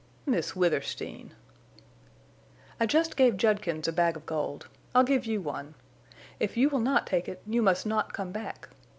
"Miss Withersteen!" "I just gave Judkins a bag of gold. I'll give you one. If you will not take it you must not come back.